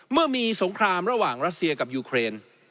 เมื่อมีสงครามระหว่างรัสเซียกับยูเครน